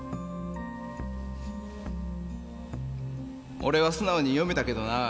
「俺は素直に読めたけどなぁ。